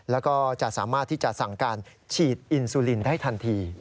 แล้วก็จะสามารถที่จะสั่งการฉีดอินซูลินได้ทันที